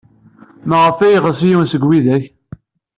Maɣef ay yeɣs yiwen seg widak?